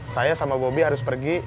saya sama bobi harus pergi